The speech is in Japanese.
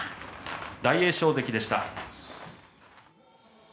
大栄翔関でした。